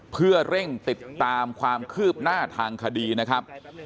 เพื่อเร่งติดตามความคืบหน้าทางคดีนะครับ